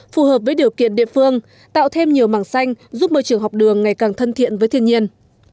phù hợp với điều kiện địa phương tạo thêm nhiều màng xanh giúp môi trường học đường ngày càng thân thiện với thiên nhiên